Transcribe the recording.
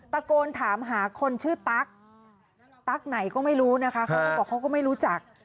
ตะโกนถามหาคนชื่อตั๊กตั๊กไหนก็ไม่รู้นะคะเขาก็บอกเขาก็ไม่รู้จัก